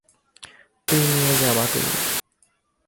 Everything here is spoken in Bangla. তুই নিয়ে যা বাটুল।